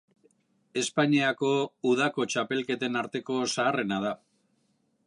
Espainiako udako txapelketen arteko zaharrena da.